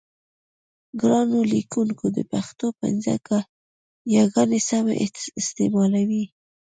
ګرانو لیکوونکو د پښتو پنځه یاګانې سمې استعمالوئ.